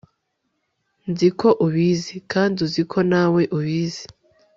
nzi ko ubizi, kandi uzi ko nawe ubizi